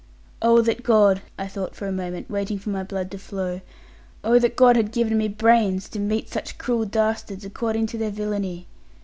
'Oh that God,' I thought for a moment, waiting for my blood to flow; 'Oh that God had given me brains, to meet such cruel dastards according to their villainy!